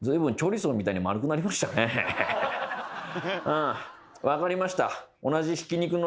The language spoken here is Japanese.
ああ分かりました。